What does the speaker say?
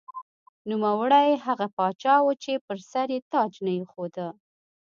نوموړی هغه پاچا و چې پر سر یې تاج نه ایښوده.